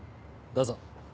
どうぞ。